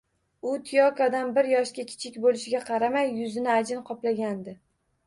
U Tiyokodan bir yoshga kichik bo`lishiga qaramay, yuzini ajin qoplagandi